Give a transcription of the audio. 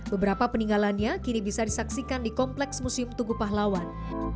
beberapa peninggalannya kini bisa disaksikan di kompleks museum tugu pahlawan